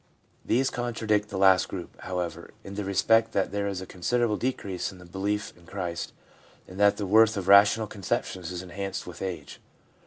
These contradict the last group, however, in the respect that there is a considerable decrease in the belief in Christ, and that the worth of rational conceptions is enhanced with age.